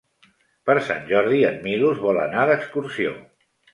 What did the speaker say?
Per Sant Jordi en Milos vol anar d'excursió.